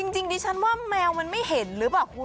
จริงดิฉันว่าแมวมันไม่เห็นหรือเปล่าคุณ